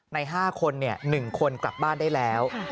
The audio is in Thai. ใน๕คน๑คนกลับบ้านได้แล้ว